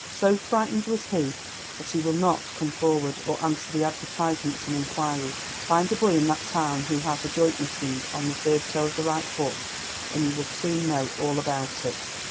So frightened was he, that he will not come forward, or answer the advertisements and inquiries. Find a boy in that town who has a joint missing on the third toe of the right foot, and you will soon know all about it."